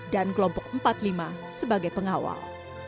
dan kelompok empat puluh lima sebagai pengawal